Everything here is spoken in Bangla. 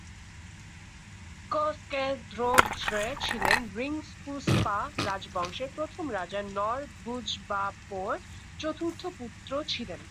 গ্ত্সো-স্ক্যেস-র্দো-র্জে ছিলেন রিং-স্পুংস-পা রাজবংশের প্রথম রাজা নোর-বু-ব্জাং-পোর চতুর্থ পুত্র ছিলেন।